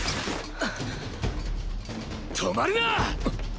止まるな！！